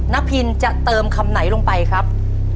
พินจะเติมคำไหนลงไปครับ